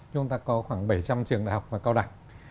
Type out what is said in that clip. chúng ta có khoảng bảy trăm linh trường đại học và cao đẳng